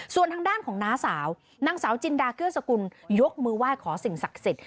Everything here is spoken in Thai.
ส่วนทางด้านหลังสาวจิลดาเกื้อสกุลยกมือว่าขอสิ่งศักดิ์เสร็จ